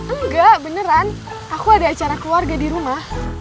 enggak beneran aku ada acara keluarga di rumah